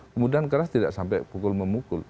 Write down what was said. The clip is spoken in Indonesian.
kemudian keras tidak sampai pukul memukul